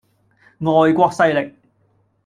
外國勢力